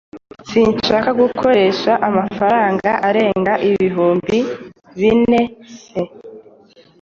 Sinshaka gukoresha amafaranga arenga ibihumbi bines